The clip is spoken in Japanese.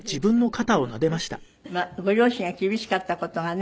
まあご両親が厳しかった事がね。